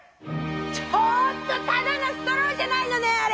ちょっとただのストローじゃないの！